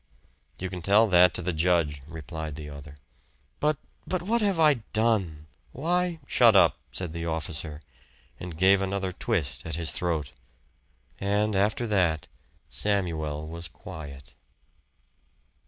"You can tell that to the judge," replied the other. "But but what have I done? Why " "Shut up!" said the officer, and gave another twist at his throat. And after that Samuel was quiet.